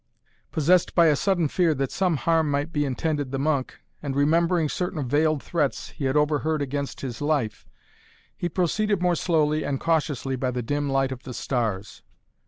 Possessed by a sudden fear that some harm might be intended the monk and remembering certain veiled threats he had overheard against his life, he proceeded more slowly and cautiously by the dim light of the stars.